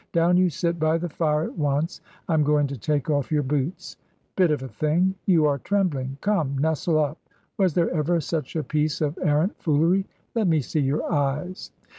Down you sit by the fire at once. I am going to take off your boots. Bit of a thing ! You are trembling. Come! nestle up. Was there ever such a piece of arrant foolery ? Let me see your eyes."